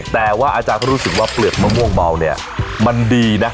แต่ว่าอาจารย์ก็รู้สึกว่าเปลือกมะม่วงเบาเนี่ยมันดีนะ